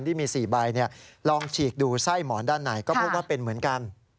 ที่มี๔ใบลองฉีกดูไส้หมอนด้านในก็พบว่าเป็นเหมือนกัน